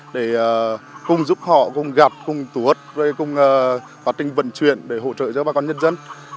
để cùng giúp họ cùng gạt cùng tù hợp cùng hoạt trình vận chuyển để hỗ trợ cho bà con nhân dân